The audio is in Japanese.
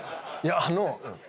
いやあの。